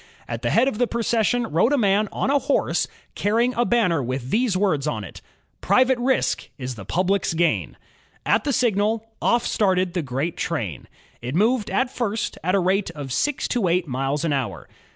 At the head of the procession rode a man on a horse, carrying a banner with these words on it: ^'Private Risk is the Public^s Gain^ At the signal, off started the great train. It moved at first at a rate of six to eight miles an hour.